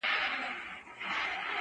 • له بې هنرو ګوتو پورته سي بې سوره نغمې,